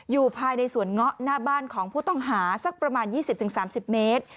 อยู่ภายในสวนเงาะหน้าบ้านของผู้ต้องหาสักประมาณ๒๐๓๐เมตร